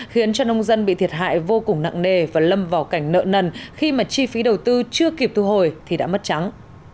khiến cho nông dân bị thiệt hại vô cùng nặng nề và lâm vào cảnh nợ nần khi mà chi phí đầu tư chưa kịp thu hồi thì đã mất trắng